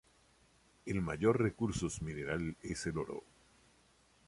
El mayor recursos mineral es el oro.